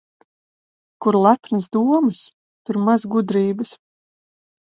Kur lepnas domas, tur maz gudrības.